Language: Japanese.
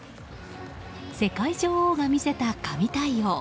世界女王が見せた、神対応。